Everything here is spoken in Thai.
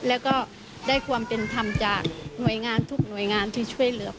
แล้วก็ได้ความเป็นธรรมจากหน่วยงานทุกหน่วยงานที่ช่วยเหลือ